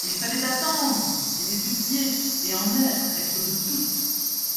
Il fallait attendre, les étudier, et en être, être de toutes.